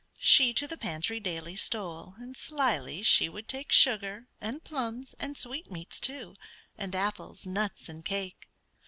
She to the pantry daily stole, And slyly she would take Sugar, and plums, and sweetmeats, too, And apples, nuts, and cake.